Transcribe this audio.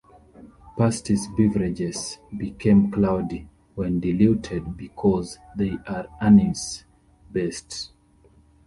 Pastis beverages become cloudy when diluted because they are anise-based.